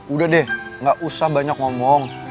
udah deh gak usah banyak ngomong